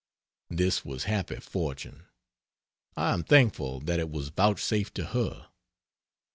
This was happy fortune I am thankful that it was vouchsafed to her.